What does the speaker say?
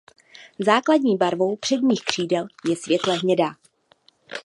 Základní barvou předních křídel je světle hnědá.